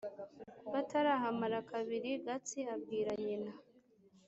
Batarahamara kabiri, Gatsi abwira nyina